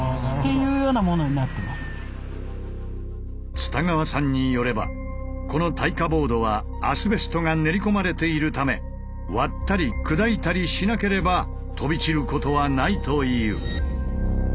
蔦川さんによればこの耐火ボードはアスベストが練り込まれているため割ったり砕いたりしなければ飛び散ることはないという。